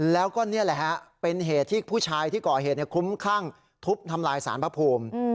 แล้วก็นี่แหละฮะเป็นเหตุที่ผู้ชายที่ก่อเหตุคุ้มคลั่งทุบทำลายสารพระภูมิ